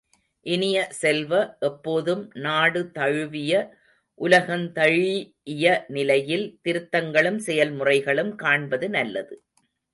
இனிய செல்வ, எப்போதும் நாடு தழுவிய, உலகந்தழீஇய நிலையில் திருத்தங்களும் செயல்முறைகளும் காண்பது நல்லது.